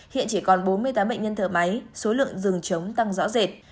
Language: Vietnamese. hiện chỉ còn bốn mươi tám bệnh nhân thở máy số lượng rừng chống tăng rõ rệt